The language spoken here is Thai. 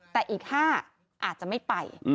แต่อีก๕อาจจะไม่ไป